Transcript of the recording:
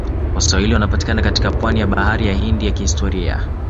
Waswahili wanapatikana katika pwani ya bahari ya Hindi ya kihistoria